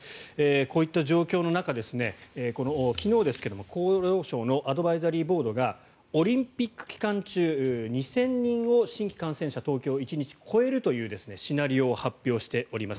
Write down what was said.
こういった状況の中、昨日ですが厚労省のアドバイザリーボードがオリンピック期間中２０００人を新規感染者東京１日超えるというシナリオを発表しております。